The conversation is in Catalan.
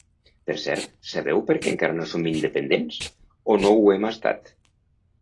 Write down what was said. Per cert, sabeu perquè encara no som independents, o no ho hem estat?